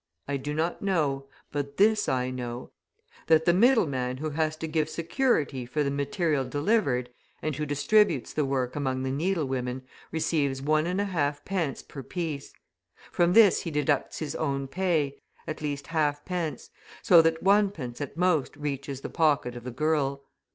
I do not know; but this I know, that the middle man who has to give security for the material delivered, and who distributes the work among the needle women, receives 1.5d. per piece. From this he deducts his own pay, at least .5d., so that 1d. at most reaches the pocket of the girl.